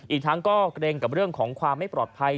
อีกทั้งก็เกรงกับเรื่องของความไม่ปลอดภัย